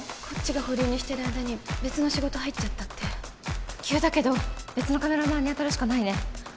こっちが保留にしてる間に別の仕事入っちゃったって急だけど別のカメラマンにあたるしかないね